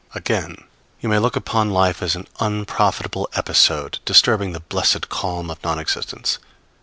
Again, you may look upon life as an unprofitable episode, disturbing the blessed calm of non existence.